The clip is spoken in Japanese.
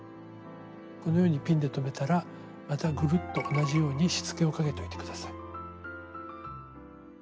このようにピンで留めたらまたグルッと同じようにしつけをかけといて下さい。